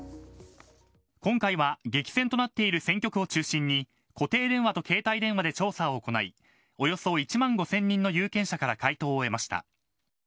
今回は激戦となっている選挙区を中心に固定電話と携帯電話で調査を行いおよそ１万５０００人の有権者から回答を得ました。